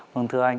vâng thưa anh